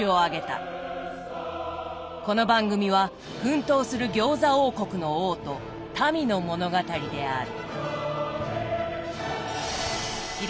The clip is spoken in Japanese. この番組は奮闘する餃子王国の王と民の物語である。